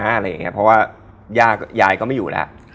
เพราะว่าย่ายายก็ไม่อยู่แล้ว